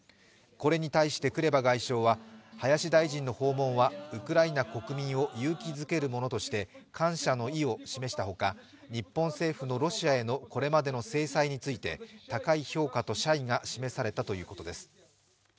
これに対してクレバ外相は、林大臣の訪問はウクライナ国民を勇気づけるものとして感謝の意を示したほか日本政府のロシアへのこれまでの制裁について高い評価と謝意が示されたということです。